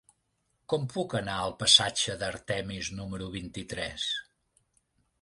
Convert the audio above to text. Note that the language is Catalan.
Com puc anar al passatge d'Artemis número vint-i-tres?